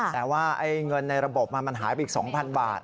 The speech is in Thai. แต่ว่าเงินในระบบมันหายไปอีก๒๐๐บาท